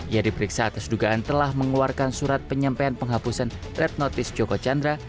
ia diperiksa atas dugaan telah mengeluarkan surat penyampaian penghapusan red notice joko chandra